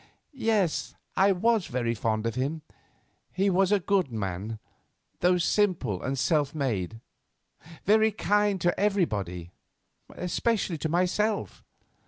"Yes, I was very fond of him. He was a good man, though simple and self made; very kind to everybody; especially to myself."